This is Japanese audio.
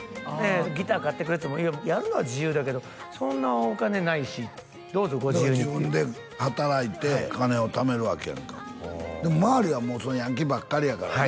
ギター買ってくれっつってもいややるのは自由だけどそんなお金ないしどうぞご自由にって自分で働いて金をためるわけやんか周りはもうヤンキーばっかりやからね